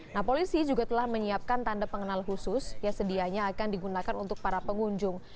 nah polisi juga telah menyiapkan tanda pengenal khusus yang sedianya akan digunakan untuk para pengunjung